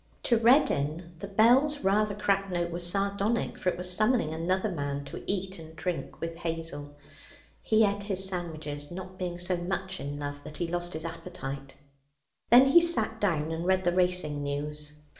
To Reddin the bell's rather cracked note was sardonic, for it was summoning another man to eat and drink with Hazel. He ate his sandwiches, not being so much in love that he lost his appetite. Then he sat down and read the racing news.